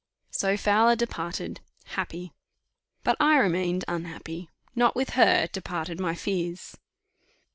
So Fowler departed, happy, but I remained unhappy not with her, departed my fears.